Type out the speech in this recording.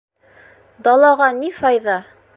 Далаға ни файҙа?